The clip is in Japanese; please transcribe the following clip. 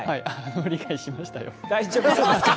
理解しましたよ。